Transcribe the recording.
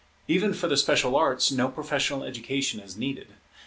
Even for the special arts no professional education is needed.